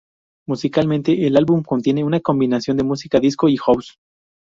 Musicalmente, el álbum contiene una combinación de música disco y "house".